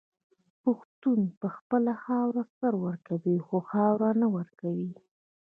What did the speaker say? پښتون په خپله خاوره سر ورکوي خو خاوره نه ورکوي.